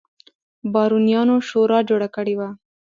بارونیانو شورا جوړه کړې وه.